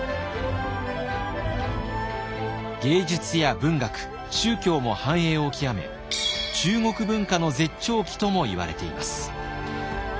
芸術や文学宗教も繁栄を極め中国文化の絶頂期ともいわれています。